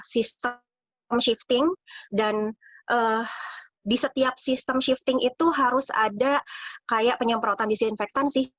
sistem shifting dan di setiap sistem shifting itu harus ada kayak penyemprotan disinfektan sih